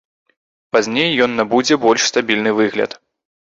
Пазней ён набудзе больш стабільны выгляд.